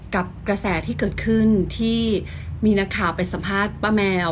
กระแสที่เกิดขึ้นที่มีนักข่าวไปสัมภาษณ์ป้าแมว